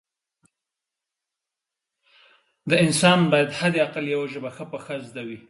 د انسان باید حد اقل یوه ژبه ښه پخه زده وي